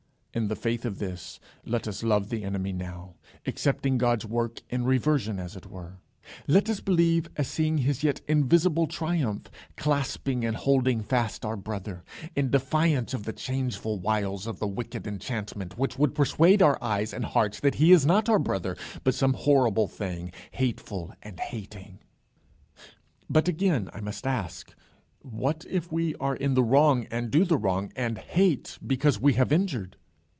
In the faith of this, let us love the enemy now, accepting God's work in reversion, as it were; let us believe as seeing his yet invisible triumph, clasping and holding fast our brother, in defiance of the changeful wiles of the wicked enchantment which would persuade our eyes and hearts that he is not our brother, but some horrible thing, hateful and hating. But again I must ask, What if we are in the wrong and do the wrong, and hate because we have injured?